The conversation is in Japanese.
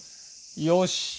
よし！